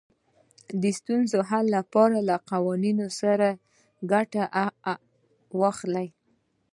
د ستونزو حل لپاره له قوانینو ګټه واخلئ.